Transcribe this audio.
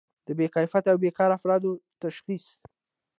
د بې کفایته او بیکاره افرادو تشخیص.